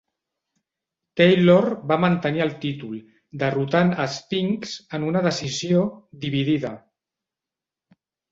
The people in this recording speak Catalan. Taylor va mantenir el títol, derrotant a Spinks en una decisió dividida.